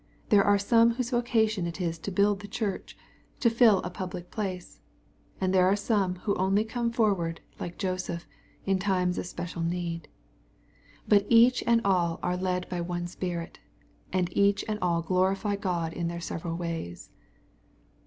There are some whose voca tion it is to build the Church, and fill a public place, and there are some who oiily come forward, like Joseph, in times of special need. But each and all are led by one Spirit, and each and all glorify God in their several ways.